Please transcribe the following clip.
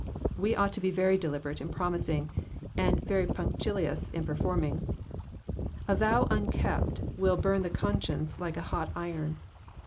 "We ought to be very deliberate in promising, and very punctilious in performing. A vow unkept will burn the conscience like a hot iron.